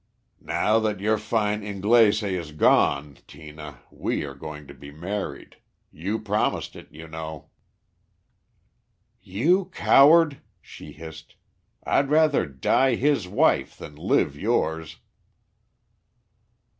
"Now that your fine Inglese is gone, Tina, we are going to be married; you promised it, you know." "You coward," she hissed; "I'd rather die his wife than live yours."